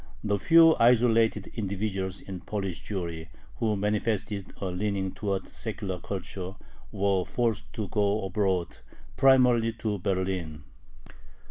The few isolated individuals in Polish Jewry who manifested a leaning towards secular culture were forced to go abroad, primarily to Berlin.